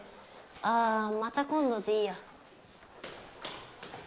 あまた今度でいいや。